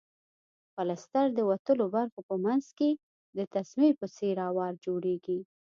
پلستر د وتلو برخو په منځ کې د تسمې په څېر اوار جوړیږي.